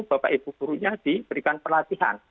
bapak ibu gurunya diberikan pelatihan